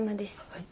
はい。